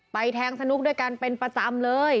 แทงสนุกด้วยกันเป็นประจำเลย